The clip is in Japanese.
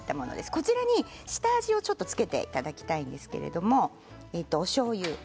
こちらに下味を付けていただきたいんですけれどもおしょうゆ